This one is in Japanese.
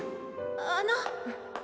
あの。